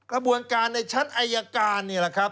กระบวนการในชั้นอายการนี่แหละครับ